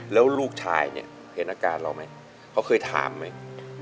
แล้วลูกชายเนี่ยเห็นอาการเราไหมเขาเคยถามไหม